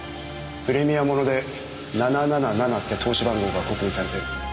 プレミア物で７７７って通し番号が刻印されてる。